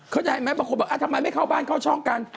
เข้าใจไหมบางคนบอกทำไมไม่เข้าบ้านเข้าช่องกัน